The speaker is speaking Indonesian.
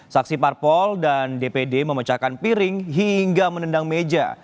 saksi parpol dan dpd memecahkan piring hingga menendang meja